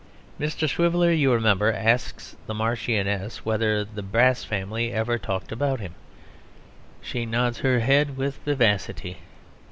Mr. Swiveller, you remember, asks the Marchioness whether the Brass family ever talk about him; she nods her head with vivacity.